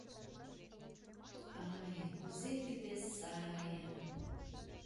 Ай, кузе тиде сае!